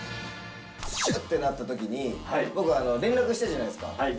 しゅってなったときに、僕連絡したじゃないですか。